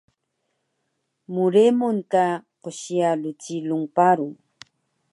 Mremun ka qsiya rcilung paru